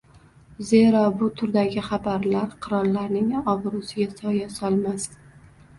zero bu turdagi xabarlar qirollarning obro‘siga soya solmasdi.